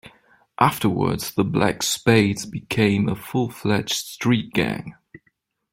Afterwards the Black Spades became a full fledged street gang.